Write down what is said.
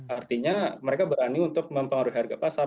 artinya mereka berani untuk mempengaruhi harga pasar